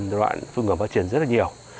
một giai đoạn phương ngưỡng phát triển rất nhiều